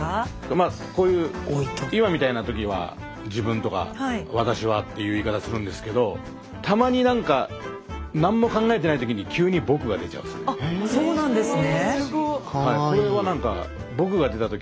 まあこういう今みたいな時は「自分」とか「わたしは」っていう言い方するんですけどたまになんかあっそうなんですね。